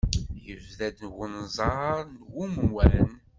Yebda-d unẓar n umwan.